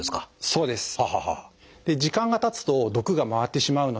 そうですね。